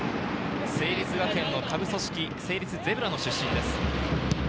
成立学園の下部組織・成立ゼブラの出身です。